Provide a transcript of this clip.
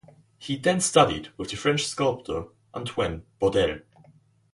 He then studied with the French sculptor Antoine Bourdelle.